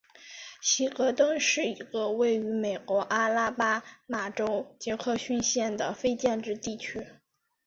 希格登是一个位于美国阿拉巴马州杰克逊县的非建制地区。